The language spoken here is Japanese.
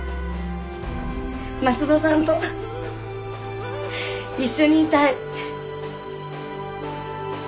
松戸さんと一緒にいたい。